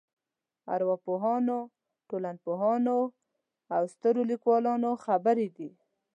ارواپوهانو ټولنپوهانو او سترو لیکوالانو خبرې دي.